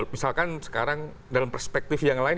misalkan sekarang dalam perspektif yang lain